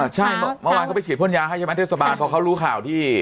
ใช่เมื่อวานเขาไปฉีดพ่นยาให้ใช่ไหมเทศบาลพอเขารู้ข่าวที่